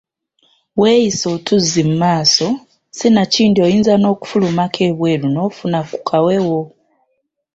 Weeyise otuzzi mu maaso sinakindi oyinza n’okufulumako ebweru n’ofuna ku kawewo.